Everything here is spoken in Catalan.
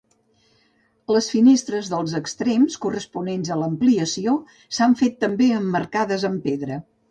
Les finestres dels extrems, corresponents a l'ampliació, s'han fet també emmarcades amb pedra.